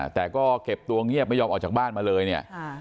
แต่ก็เก็บตัวเงียบไม่ยอมออกจากบ้านมาเลยเนี่ย